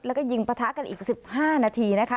แล้วก็ยิงประทะกันอีก๑๕นาทีนะคะ